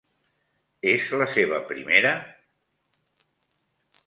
És la seva primera!?